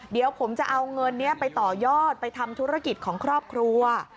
เดี๋ยวผมจะเอาเงินนี้ไปต่อยอดไปทำธุรกิจของครอบครัว